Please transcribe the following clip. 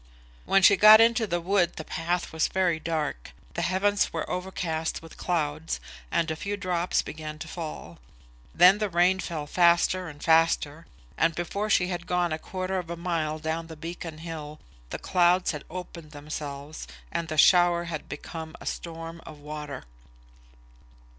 When she got into the wood the path was very dark. The heavens were overcast with clouds, and a few drops began to fall. Then the rain fell faster and faster, and before she had gone a quarter of a mile down the beacon hill, the clouds had opened themselves, and the shower had become a storm of water.